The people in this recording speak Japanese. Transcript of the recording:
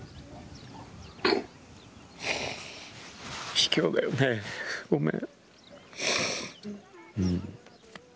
ひきょうだよね、ごめん。